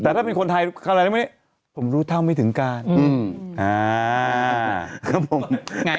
แต่ถ้าเป็นคนไทยเขาอะไรแล้วมันนี่ผมรู้เท่าไม่ถึงการอืมอ่า